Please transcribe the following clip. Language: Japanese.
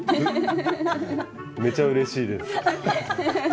めちゃうれしいです。